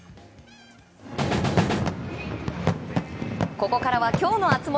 ここからは、きょうの熱盛。